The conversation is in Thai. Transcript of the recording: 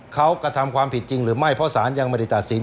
เขากระทำความผิดจริงหรือไม่เพราะสารยังไม่ได้ตัดสิน